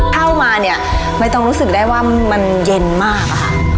เข้ามาเนี่ยไม่ต้องรู้สึกได้ว่ามันเย็นมากอะค่ะ